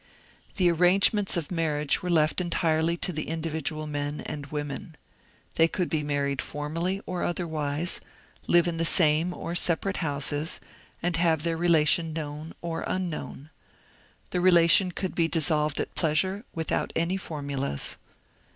The arrangements of marriage were left entirely to the in dividual men and women. They could be married formally or otherwise, live in the same or separate houses, and have their relation known or unknown. The relation could be dis solved at pleasure without any formulas.